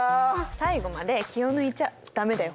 最後まで気を抜いちゃダメだよ。